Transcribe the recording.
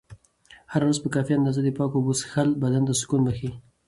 هره ورځ په کافي اندازه د پاکو اوبو څښل بدن ته سکون بښي.